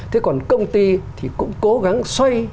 thế còn công ty thì cũng cố gắng xoay